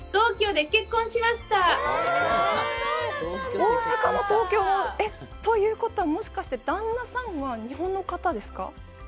大阪も東京も？ということは、もしかして、旦那さんは日本の方ですか？